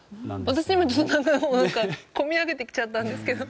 私、こみ上げてきちゃったんですけど。